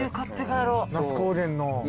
那須高原の。